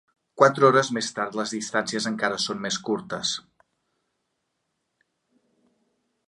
Quatre hores més tard les distàncies encara són més curtes.